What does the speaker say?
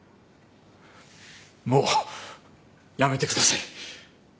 もうやめてください。